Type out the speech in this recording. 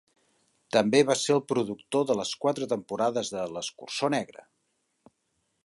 També va ser el productor de les quatre temporades de "L'escurçó negre".